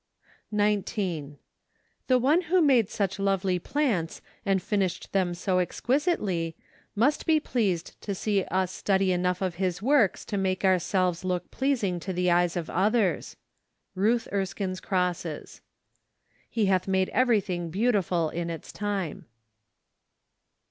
19. The One who made such lovely plants and finished them so exquisitely, must be pleased to see us study enough of His works to make ourselves look pleasing to the eyes of others. Ruth Erskine's Crosses. "j He hath made everything beautiful in his time."